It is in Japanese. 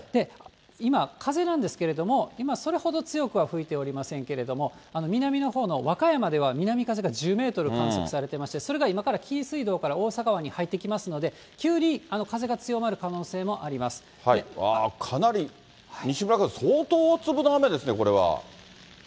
今、風なんですけれども、今、それほど強くは吹いてはおりませんけれども、南のほうの和歌山では、南風が１０メートル観測されていまして、それが今から紀伊水道から大阪湾に入ってきますので、わー、かなり、西村さん、相当大粒の雨ですね、これは。